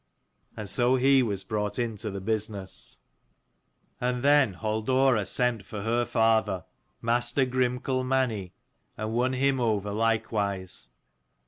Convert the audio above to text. And so he was brought into the business. 234 And then Halldora sent for her father, Master Grimkel Mani, and won him over likewise.